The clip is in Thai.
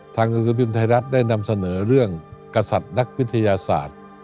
หนังสือพิมพ์ไทยรัฐได้นำเสนอเรื่องกษัตริย์นักวิทยาศาสตร์